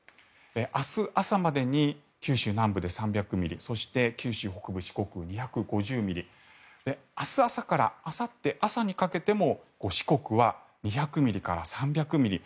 明日朝までに九州南部で３００ミリそして九州北部、四国２５０ミリ明日朝からあさって朝にかけても四国は２００ミリから３００ミリ。